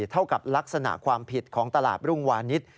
เท่ากับลักษณะความผิดของตลาดรุ่งวานิส